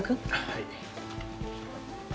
はい。